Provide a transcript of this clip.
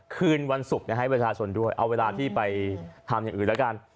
คืนวันศุกร์ให้ประชาชนด้วยเอาเวลาที่ไปทำอย่างอื่นแล้วกัน